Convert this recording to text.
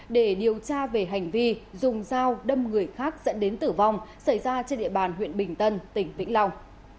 để điều tra về hành vi dùng dao đâm người khác dẫn đến tử vong xảy ra trên địa bàn huyện bình tân tỉnh vĩnh long